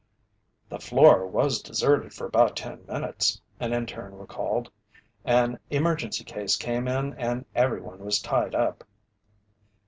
"The floor was deserted for about ten minutes," an interne recalled. "An emergency case came in and everyone was tied up."